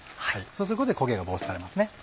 そうすることで焦げが防止されますね。